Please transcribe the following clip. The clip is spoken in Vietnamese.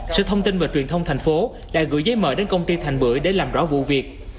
sở thông tin và truyền thông thành phố đã gửi giấy mời đến công ty thành bưởi để làm rõ vụ việc